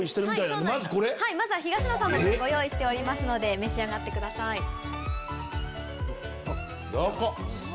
東野さんご用意しておりますので召し上がってください。